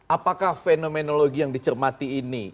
apakah fenomenologi yang dicermati ini